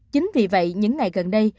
chính vì vậy những ngày gần đây